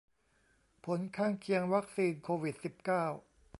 ผลข้างเคียงวัคซีนโควิดสิบเก้า